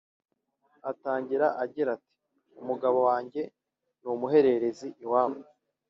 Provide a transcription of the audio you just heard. Atangira agira ati “Umugabo wanjye ni umuhererezi iwabo